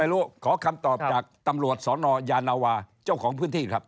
รู้ขอคำตอบจากตำรวจสนยานวาเจ้าของพื้นที่ครับ